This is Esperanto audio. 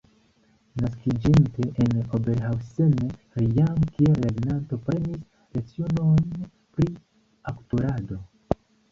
Naskiĝinte en Oberhausen, li jam kiel lernanto prenis lecionojn pri aktorado.